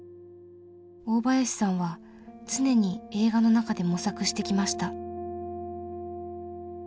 大林さんは常に映画の中で模索してきました。